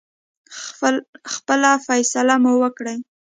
خپله فیصله مو وکړی.